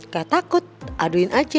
ga takut aduin aja